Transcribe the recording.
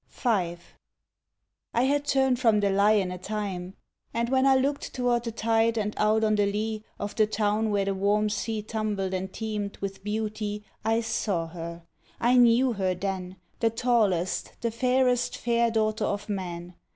V. I had turned from the lion a time, and when I looked tow’rd the tide and out on the lea Of the town where the warm sea tumbled and teemed With beauty, I saw her. I knew her then, The tallest, the fairest fair daughter of men.